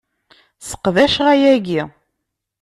Seqdaceɣ ayagi.